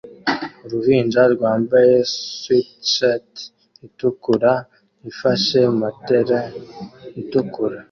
Uruhinja rwambaye swatshirt itukura ifashe matel itukura